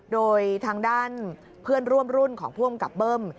โดยทางด้านเพื่อนร่วมรุ่นของผู้อำกับเบิ้ม